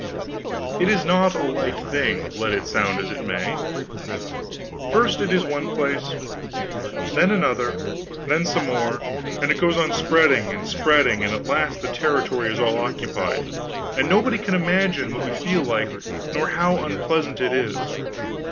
It is not a light thing, let it sound as it may. First it is one place; then another; then some more; and it goes on spreading and spreading, and at last the territory is all occupied, and nobody can imagine what you feel like, nor how unpleasant it is.